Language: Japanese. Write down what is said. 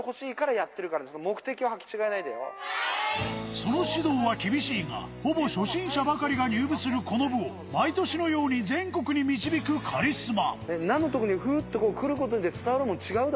その指導は厳しいが、ほぼ初心者ばかりが入部するこの部を毎年のように全国に導く、カリスマ。